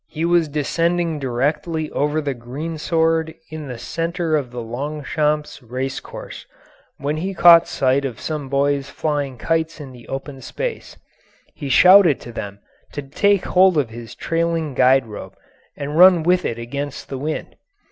He was descending directly over the greensward in the centre of the Longchamps race course, when he caught sight of some boys flying kites in the open space. He shouted to them to take hold of his trailing guide rope and run with it against the wind.